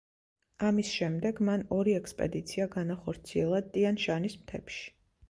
ამის შემდეგ მან ორი ექსპედიცია განახორციელა ტიან-შანის მთებში.